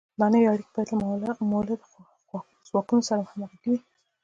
دا نوې اړیکې باید له مؤلده ځواکونو سره همغږې وي.